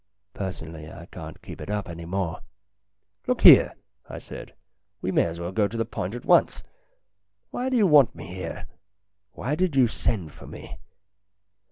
Personally I can't keep it up any more." " Look here," I said. " We may as well go to the point at once. Why do you want me here ? Why did you send for me